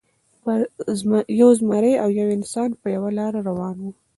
یو زمری او یو انسان په یوه لاره روان وو.